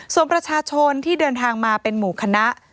ส่วนประชาชนที่เดินทางมาเป็นหมู่คณะ